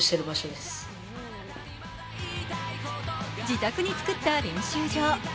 自宅に作った練習場。